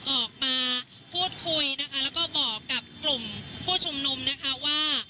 ออกมาพูดคุยนะคะแล้วก็บอกกับกลุ่มผู้ชุมนุมนะคะว่า